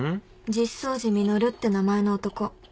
実相寺実って名前の男